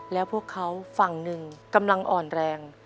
แล้วพวกเขาฝั่งหนึ่งกำลังอ่อนแรง